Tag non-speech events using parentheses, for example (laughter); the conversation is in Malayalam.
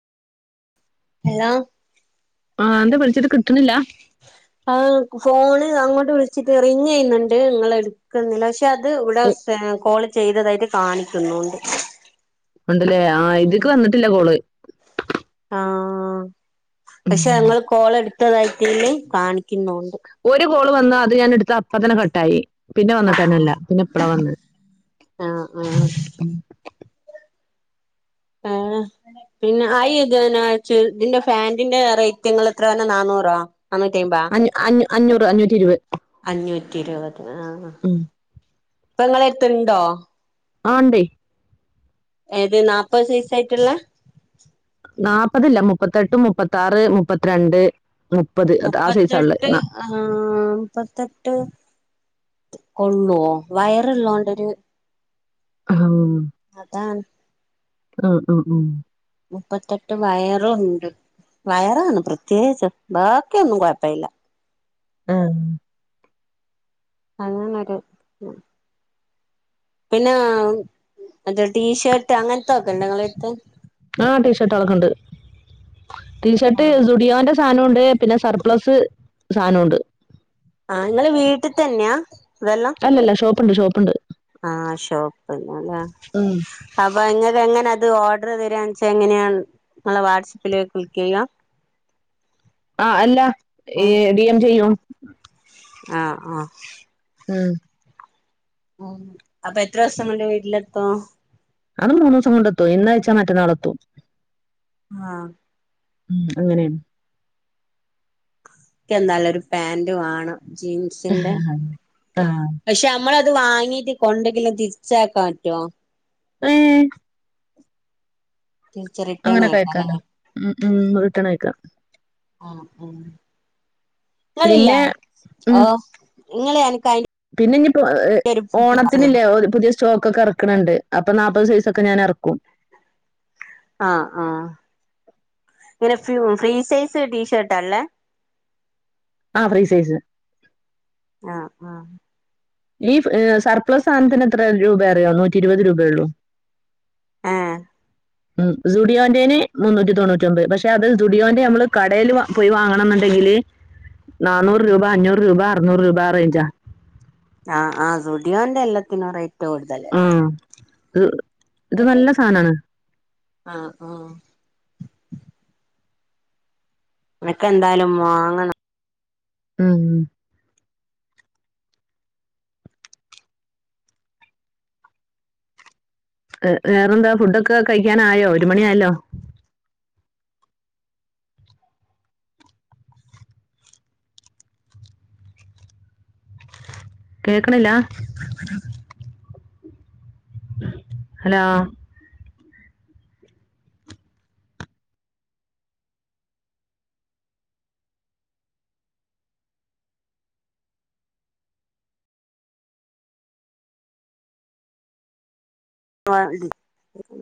ഹലോ ആ ന്താ വിളിച്ച്ട്ട് കിട്ട്ണ്ല്ല ആ ഫോണ് അങ്ങോട്ട് വിളിച്ചിട്ട് റിങ് ചെ യ്യ്ണ്ണ്ണ്ട് ഇങ്ങളെ എ ക്കുന്നില്ല ക്ഷെ അത് ഇവടെ കോള് ചെയ്തതായിട്ട് കാണിക്കുന്നുണ്ട് ഉണ്ടല്ലേ ആ ഇത്ക്ക് വന്നിട്ടില്ല കോള് ആഹ് ഉം പക്ഷെ ഇങ്ങള് കോള ടുത്തതായിട്ട് ഇതില് കാണിക്കുന്നു ഒരു കോള് വന്നാ അത് ഞാൻ ട്ത്താ അപ്പത്തനെ കട്ടായി പിന്നെ വന്നിട്ടന്നെല്ല പിന്നെ ഇപ്പളാ വന്ന ആഹ് ആഹ് ആ പിന്നെ ആയി തിനെച്ച് ഇതിന്റെ ഫാറ്റിന്റെ റേറ്റ്ങ്ങള്എത്ര റഞ്ഞാ നാനൂ റോ നാന്നൂറ്റി അയ്മ്പോ അഞ്ഞൂ അഞ്ഞൂ അഞ്ഞൂറ് അഞ്ഞൂറ്റി ഇരുപത് അഞ്ഞൂ റ്റിഇരുപത് ആ ഉം ഇപ്പൊ ഇങ്ങളെ ട് ത്ത്ണ്ടോ ആണ്ടേ ഏത് നാപ്പത് സൈസായിട്ട്ള്ളേ നാപ്പതില്ല മുപ്പത്തെട്ട് മുപ്പത്താറ് മുപ്പത്രണ്ട് മുപ്പത്തെട്ട് ആ മുപ്പത്തെട്ട് കൊള്ളാ വയറ്ള്ളോണ്ടൊര് ആ അതാണ് ആ ആ ഉം മുപ്പത്തെട്ട് വയറുംണ്ട് വയറാണ് പ്രത്യേച്ച് ബാക്കിയൊന്നും കൊഴപ്പല്ല ആ അങ്ങനൊര് ത് പിന്നെ എന്ത് ടീഷർട്ട് അങ്ങനത്തൊക്കെ ഇണ്ടോനിങ്ങളട്ത്ത് ആ ടീഷർട്ട് അത്ക്കണ്ട് ടീഷർട്ട് സുഡിയാന്റെ സാധനമുണ്ട് പിന്നെ സർപ്ലസ് സാധനമുണ്ട് ആ നിങ്ങള് വീട്ടിൽ തന്നെയാ ഇതെല്ലാം അല്ലല്ല ഷോപ്പുണ്ട് ഷോപ്പ്ണ്ട് ആ ഷോപ്പന്നല്ല ഉം അപ്പൊ ഇങ്ങക്ക് എങ്ങനെ അത് ഓർഡർ തരാ വെച്ചാ എങ്ങനെയാണ് നിങ്ങള് വാട്സപ്പിലേ ക്ലിക്കയ ആ അല്ല ടിയം ചെയ്യും ആഹ് ആഹ് ഉം അപ്പൊ എത്ര ദിവസംകെണ്ട് വീട്ടിലെത്തോ അത് മൂന്ന് ദിവസം കൊണ്ട് എത്തും ഇന്നഴച്ചാ മറ്റന്നാൾ എത്തും ആ ഉം അങ്ങനെയാണ് എന്താല ഒരു പാന്റ് വണം ജീൻസിന്റെ പക്ഷെ നമ്മള അത് വാങ്ങീട്ട് കൊണ്ടെങ്കില തിരിച്ചാക്കാൻ പറ്റോ എ തിരിച്ച് റിട്ടേൺ അങ്ങനെക്കെഴക്കോ ആക്കാല്ലേ ഉം ഉം റീട്ടൺ അയിക്കാം ആ ഉം പിന്നെ ഉം നിങ്ങള് എനക്ക് അതിന്റെ പിന്നെ ഇനിപ്പോ ഒരു ഓണത്തിനല്ലേ പുതിയ സ സ്റ്റോക്ക്ക്കൊ ഇറക്കണണ്ട് അപ്പൊ നാല്പ്പത് സൈസൊക്കെ ഞാൻ ഇറക്കും ആഹ് ആഹ് ഇങ്ങനെ ഫ ഫ്രീ സൈസ് ടീഷർല്ലേ ആ ഫ്രീ സൈസ് ആഹ് ആഹ് ഈ സർപ്ലസ് സാധനത്തിന് എത്ര രൂപയനറിയോ നൂറ്റി ഇരുപത് രൂപയ ഉള്ളൂ ഏഹ് ഉം സുഡിയോന്റെേന് മുന്നൂറ്റി തൊണ്ടുറ്റിഒമ്പത് പക്ഷെ അത് സുഡിയോന്റെ നമ്മൾ കടയിൽ പോയി വാങ്ങണം എന്നുണ്ടെങ്കിൽ ലെ നന്നൂറ് രൂപ അഞ്ഞൂറ് രൂപ അറനൂറ് രൂപ റേഞ്ചാ. ആഹ് ആഹ് സുഡിയോന്റെ എല്ലാത്തിനും റേറ്റ് ആ കൂടുതലല്ലേ ഇത് നല്ല സാധനമാണ് ആഹ് ആഹ് എനക്ക എന്തായാലും വാങ്ങണം ഉം വേറെന്താ ഫുഡൊക്കെ കഴിക്കാനായോ ഒരു മണിയാലോ കേക്കണില്ല ഹല്ലോ (inaudible)